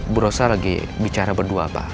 bu rosa lagi bicara berdua pak